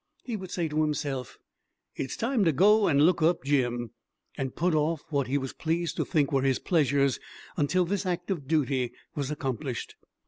He would say to himself, "It's time to go and look up Jim," and put off what he was pleased to think were his pleasures until this act of duty was accomplished.